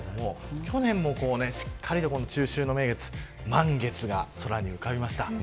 去年もしっかりと中秋の名月満月が空に浮かびました。